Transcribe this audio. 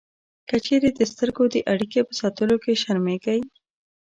که چېرې د سترګو د اړیکې په ساتلو کې شرمېږئ